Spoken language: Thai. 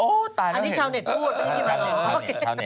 โอ้ยตายแล้วเห็น